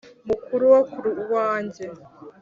mukuru wo ku wanjye,